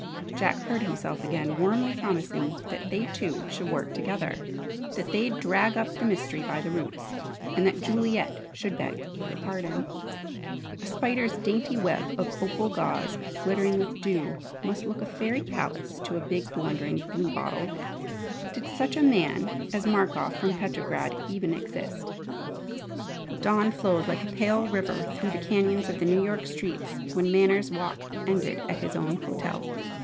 Jack heard himself again, warmly promising that they two should work together, that they'd drag up the mystery by the roots, and that Juliet should beg her pardon. A spider's dainty web of opal gauze, glittering with dew, must look a fairy palace to a big, blundering bluebottle! Did such a man as Markoff from Petrograd even exist? Dawn flowed like a pale river through the canyons of the New York streets when Manners' walk ended at his own hotel.